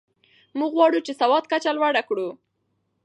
موږ غواړو چې د سواد کچه لوړه کړو.